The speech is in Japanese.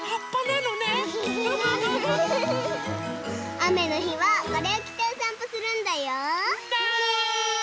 あめのひはこれをきておさんぽするんだよ。ね。